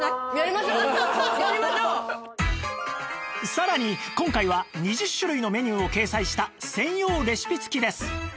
さらに今回は２０種類のメニューを掲載した専用レシピ付きです